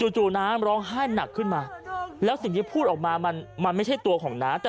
น้าร้องไห้หนักขึ้นมาแล้วสิ่งที่พูดออกมามันไม่ใช่ตัวของน้าแต่